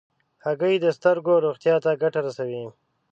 هګۍ د سترګو روغتیا ته ګټه رسوي.